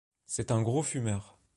C'est un gros fumeur.